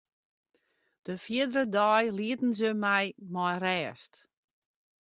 De fierdere dei lieten se my mei rêst.